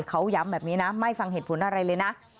เขาย้ำแบบนี้นะไม่ฟังเหตุผลอะไรเลยนะ